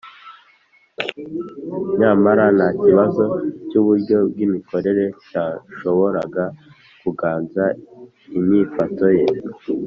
nyamara, nta kibazo cy’uburyo bw’imikorere cyashoboraga kuganza inyifato ye